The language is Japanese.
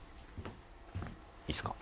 いいですか？